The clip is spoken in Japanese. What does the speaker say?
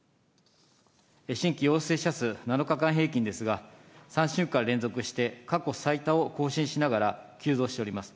新規陽性者数、７日間平均ですが、３週間連続して過去最多を更新しながら、急増しております。